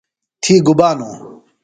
تھی گُبا نو؟